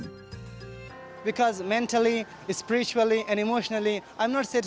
karena secara mental spiritual dan emosional saya tidak setuju